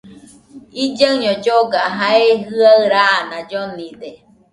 Illaiño lloga, jae jɨaɨ raana llonide